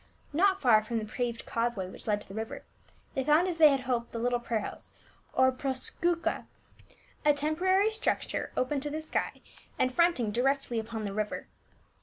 Not far from the paved causeway which led to the river, they found as they had hoped the little prayer house, or proseucha, a temporary structure open to the sky and fronting directly upon the river.